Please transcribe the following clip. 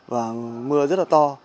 và mưa rất là to